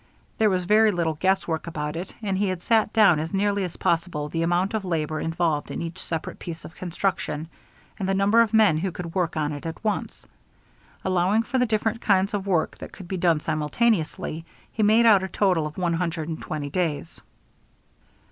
There was very little guesswork about it; he had set down as nearly as possible the amount of labor involved in each separate piece of construction, and the number of men who could work on it at once. Allowing for the different kinds of work that could be done simultaneously, he made out a total of one hundred and twenty days.